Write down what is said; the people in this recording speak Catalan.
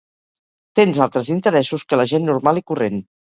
Tens altres interessos que la gent normal i corrent.